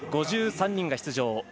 ５３人が出場。